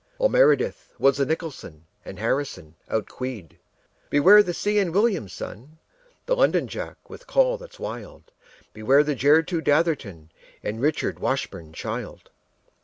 All meredith was the nicholson, And harrison outqueed. Beware the see enn william, son, The londonjack with call that's wild. Beware the gertroo datherton And richardwashburnchild.